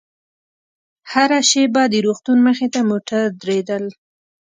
هره شېبه د روغتون مخې ته موټر درېدل.